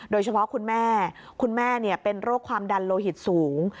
คุณแม่คุณแม่เป็นโรคความดันโลหิตสูง